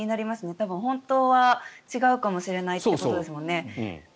多分、本当は違うかもしれないってことですもんね。